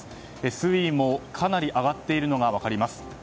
水位もかなり上がっているのが分かります。